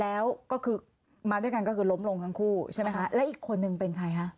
แล้วก็คือมาด้วยกันก็คือล้มลงทั้งคู่ใช่ไหมคะแล้วอีกคนนึงเป็นใครคะ